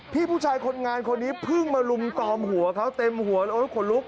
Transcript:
พี่ผู้ชายคนงานคนนี้เพิ่งมาลุมตอมหัวเขาเต็มหัวแล้วขนลุก